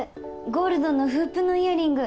ゴールドのフープのイヤリング。